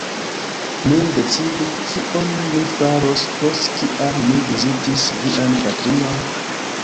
Nun decidu, kion ni faros, post kiam ni vizitis vian patrinon?